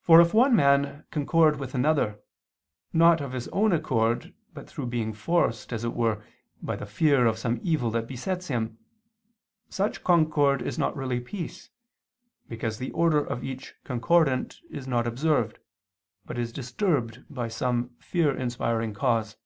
For if one man concord with another, not of his own accord, but through being forced, as it were, by the fear of some evil that besets him, such concord is not really peace, because the order of each concordant is not observed, but is disturbed by some fear inspiring cause.